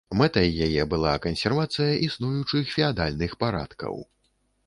Мэтай яе была кансервацыя існуючых феадальных парадкаў.